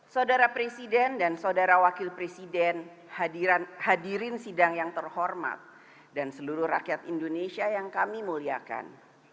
saudara presiden dan saudara wakil presiden hadirin sidang yang terhormat dan seluruh rakyat indonesia yang kami muliakan